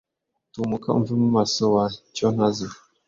Tumuka umve mu maso wa cyontazi we!